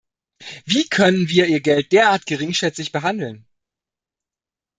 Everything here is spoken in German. Wie können wir ihr Geld derart geringschätzig behandeln?